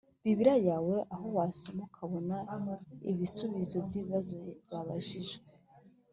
Bibiliya yawe aho wasoma ukabona ibisubizo by’ibibazo byabajijwe